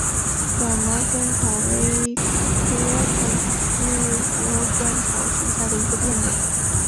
短芒纤毛草为禾本科鹅观草属下的一个变种。